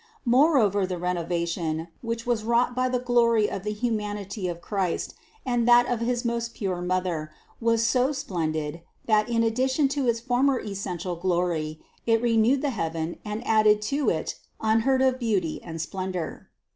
Moreover the renovation, which was wrought by the glory of the humanity of Christ and that of his most pure Mother, was so splendid, that in addition to its former essential glory, it renewed the heaven and added to it unheard of beauty and splendor.